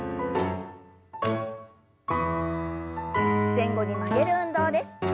前後に曲げる運動です。